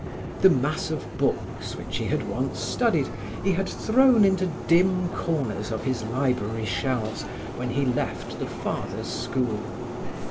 The mass of books which he had once studied he had thrown into dim corners of his library shelves when he left the Fathers' school.